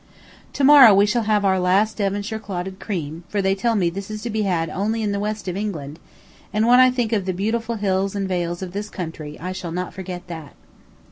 To morrow morning we shall have our last Devonshire clotted cream, for they tell me this is to be had only in the west of England, and when I think of the beautiful hills and vales of this country I shall not forget that.